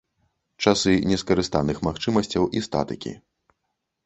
Часы нескарыстаных магчымасцяў і статыкі.